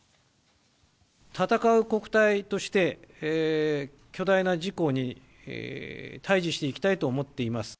戦う国対として、巨大な自公に対じしていきたいと思っています。